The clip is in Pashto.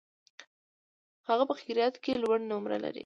هغه په قرائت کي لوړي نمرې لري.